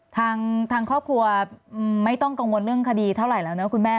ทางครอบครัวไม่ต้องกังวลเรื่องคดีเท่าไหร่แล้วนะคุณแม่